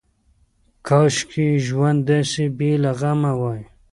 کاشکې ژوند داسې بې له غمه وای.